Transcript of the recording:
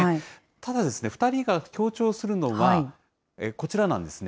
ただ、２人が強調するのは、こちらなんですね。